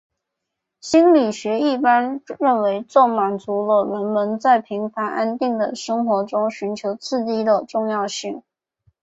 心理学一般认为这满足了人们在平凡安定的生活中寻求刺激的需要。